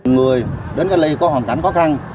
người đến cách ly có hoàn cảnh khó khăn